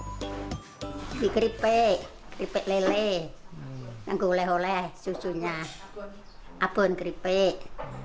keripik keripik keripik lele nenggoleh oleh susunya abon keripik